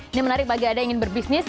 ini menarik bagi anda yang ingin berbisnis